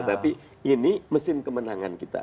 tapi ini mesin kemenangan kita